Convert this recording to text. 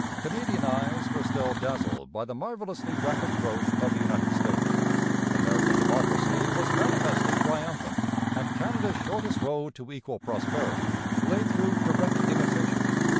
Canadian eyes were still dazzled by the marvellously rapid growth of the United States. American democracy was manifestly triumphant, and Canada's shortest road to equal prosperity lay through direct imitation.